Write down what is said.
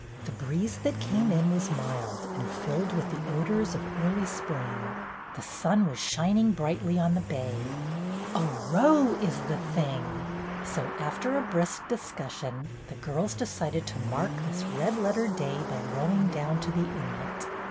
The breeze that came in was mild and filled with the odors of early spring. The sun was shining brightly on the bay. "A row 's the thing!" So, after a brisk discussion, the girls decided to mark this red letter day by rowing down to the inlet.